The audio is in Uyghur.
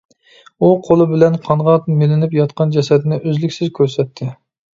ئۇ قولى بىلەن قانغا مىلىنىپ ياتقان جەسەتنى ئۈزلۈكسىز كۆرسەتتى.